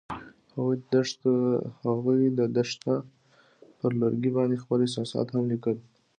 هغوی د دښته پر لرګي باندې خپل احساسات هم لیکل.